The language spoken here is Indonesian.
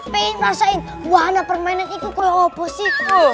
pengen rasain wahana permainan itu kayak apa sih